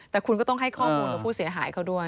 แต่คุณก็ต้องให้ข้อมูลกับผู้เสียหายเขาด้วย